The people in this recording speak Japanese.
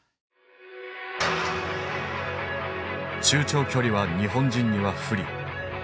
中長距離は日本人には不利。